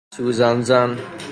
سوزن زن